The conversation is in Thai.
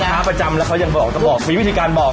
ค้าประจำแล้วเขายังบอกจะบอกมีวิธีการบอก